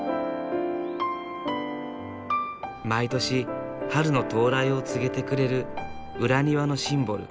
毎年春の到来を告げてくれる裏庭のシンボル